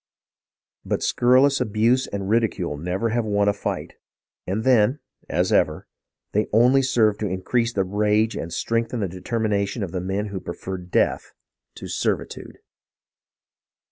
But scurrilous abuse and ridicule never yet have won a fight, and then, as ever, they only served to increase the rage and strengthen the determination of the men who preferred death to servitude.